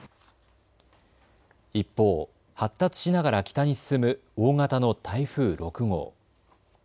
一方、発達しながら北に進む大型の台風６号。